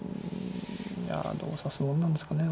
いやどう指すもんなんですかね。